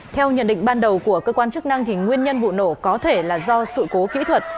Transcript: theo nhận định ban đầu của cơ quan chức năng nguyên nhân vụ nổ có thể là do sự cố kỹ thuật